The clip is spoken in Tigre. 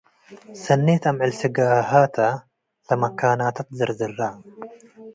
ሰኔት አምዕል ስጋሃታ - ለመካናታ ትዘርዝራ